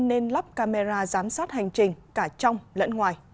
nên lắp camera giám sát hành trình cả trong lẫn ngoài